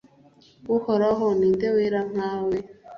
uhoraho, ni nde wamera nkawe